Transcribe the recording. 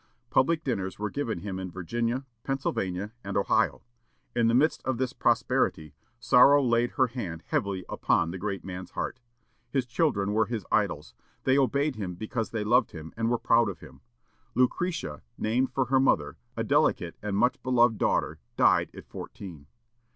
Public dinners were given him in Virginia, Pennsylvania, and Ohio. In the midst of this prosperity, sorrow laid her hand heavily upon the great man's heart. His children were his idols. They obeyed him because they loved him and were proud of him. Lucretia, named for her mother, a delicate and much beloved daughter, died at fourteen.